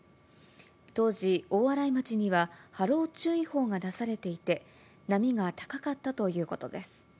当時、大洗町には波浪注意報が出されていて、波が高かったということです。